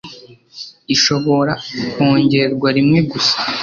ishobora kwongerwa rimwe gusa